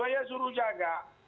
hanya suruh jaga